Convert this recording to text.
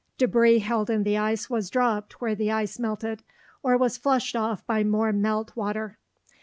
Debris held in the ice was dropped where the ice melted, or was flushed off by more melt water.